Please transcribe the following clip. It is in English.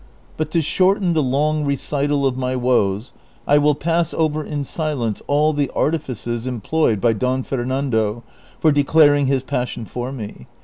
But to shorten the long recital of my woes, I will pass over in silence all the artifices em ployed by Don Fernando for declaring his passion for me.